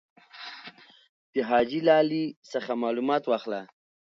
د حاجي لالي څخه معلومات واخله.